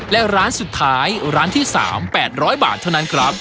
และร้านสุดท้ายร้านที่๓๘๐๐บาทเท่านั้นครับ